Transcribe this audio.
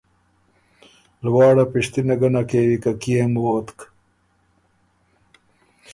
لواړه پِشتِنه ګۀ نک کېوی که کيې م ووتک؟